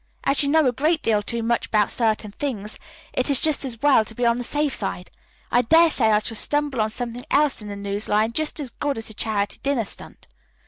As you know a great deal too much about certain things, it is just as well to be on the safe side. I dare say I shall stumble on something else in the news line just as good as the charity dinner stunt."